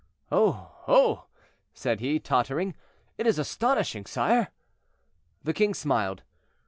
"Oh! oh!" said he, tottering, "it is astonishing, sire." The king smiled.